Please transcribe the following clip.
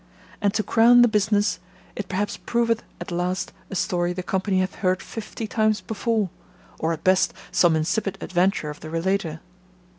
And, to crown the business, it perhaps proveth at last a story the company hath heard fifty times before; or, at best, some insipid adventure of the relater.